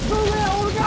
おるか！？